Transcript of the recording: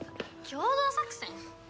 共同作戦？